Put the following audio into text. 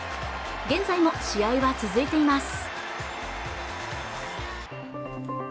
現在も試合は続いています